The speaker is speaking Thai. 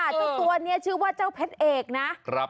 เจ้าตัวนี้ชื่อว่าเจ้าเพชรเอกนะ